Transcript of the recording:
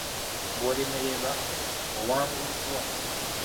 Bw'olemererwa, owanguddwa.